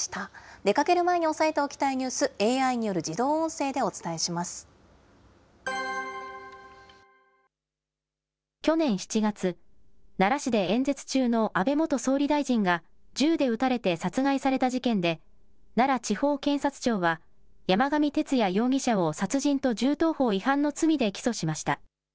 出かける前に押さえておきたいニュース、ＡＩによる自動音声でお去年７月、奈良市で演説中の安倍元総理大臣が銃で撃たれて殺害された事件で、奈良地方検察庁は、山上徹也容疑者を殺人と銃刀法違反の罪で起訴しました。